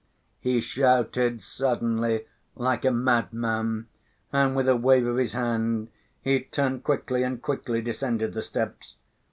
he shouted suddenly like a madman, and with a wave of his hand he turned quickly and quickly descended the steps.